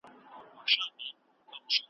که د سهار ورک ماښام کور ته راسي ورک نه دئ ,